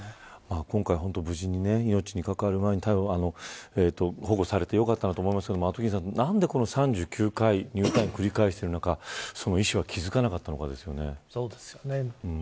今回、無事に命に関わる前に保護されてよかったですけど何で３９回入退院を繰り返している中医師は気付かなかったのかですよね。